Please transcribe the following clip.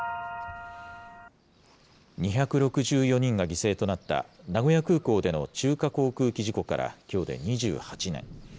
２６４人が犠牲となった、名古屋空港での中華航空機事故からきょうで２８年。